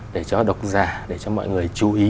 để cho độc giả để cho mọi người chú ý